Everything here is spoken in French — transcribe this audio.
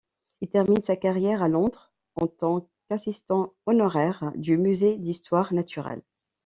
Il termine sa carrière à Londres, en tant qu'assistant honoraire du Musée d'histoire naturelle.